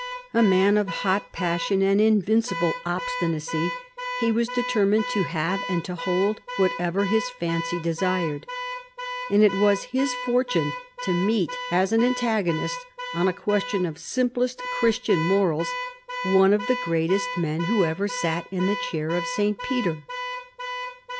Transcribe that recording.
A man of hot passion and invincible obstinacy, he was determined to have and to hold what ever his fancy desired. And it was his fortune to meet as an antagonist on a question of simplest Christian morals one of the greatest men who ever sat in the chair of S. Peter.